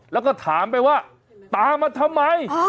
แล้วก็ถามไปว่าตามมาทำไม